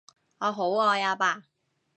我好愛阿爸